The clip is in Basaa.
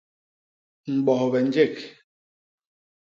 Mbobhe njék.